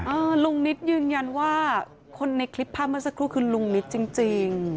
ลุงนิดยืนยันว่าคนในคลิปภาพเมื่อสักครู่คือลุงนิดจริงจริง